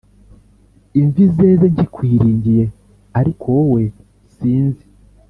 Imvi zeze nkikwiringiye ariko wowe sinzi